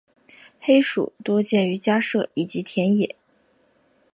黑鼠多见于家舍以及田野。